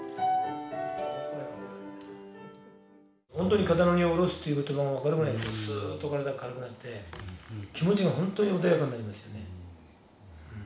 ほんとに肩の荷をおろすという言葉が分かるぐらいスーッと体が軽くなって気持ちがほんとに穏やかになりましたね。